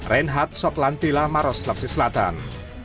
reinhard soklantila maros lapsi selatan